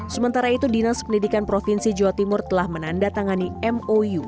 sementara itu dinas pendidikan provinsi jawa timur telah menandatangani mou